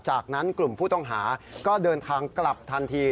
จากนั้นกลุ่มผู้ต้องหาก็เดินทางกลับทันที